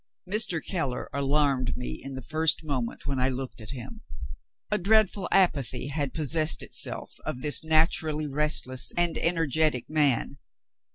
Mr. Keller alarmed me in the first moment when I looked at him. A dreadful apathy had possessed itself of this naturally restless and energetic man.